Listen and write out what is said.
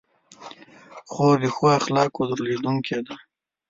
خور د ښو اخلاقو درلودونکې ده.